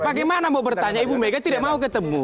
bagaimana mau bertanya ibu mega tidak mau ketemu